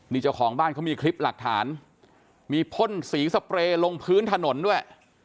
นี่เจ้าของบ้านเขามีคลิปหลักฐานมีพ่นสีสเปรย์ลงพื้นถนนด้วย